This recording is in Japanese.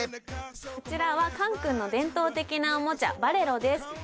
こちらはカンクンの伝統的なおもちゃバレロです